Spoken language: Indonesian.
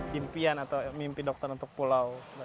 impian atau mimpi dokter untuk pulau